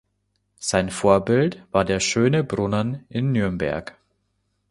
Sein Vorbild war der Schöne Brunnen in Nürnberg.